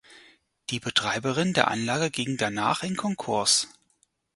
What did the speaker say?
Die Betreiberin der Anlage ging danach in Konkurs.